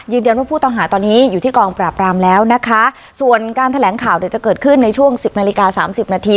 ว่าผู้ต้องหาตอนนี้อยู่ที่กองปราบรามแล้วนะคะส่วนการแถลงข่าวเดี๋ยวจะเกิดขึ้นในช่วงสิบนาฬิกาสามสิบนาที